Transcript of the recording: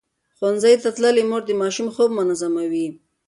ښوونځې تللې مور د ماشوم خوب منظموي.